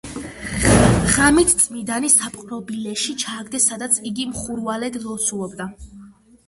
ღამით წმიდანი საპყრობილეში ჩააგდეს, სადაც იგი მხურვალედ ლოცულობდა.